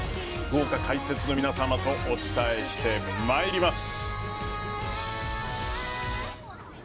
豪華解説の皆さまとお伝えしてまいります。